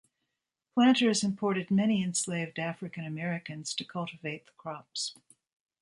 Planters imported many enslaved African Americans to cultivate the crops.